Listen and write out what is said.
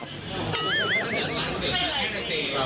อยู่ใจหรอ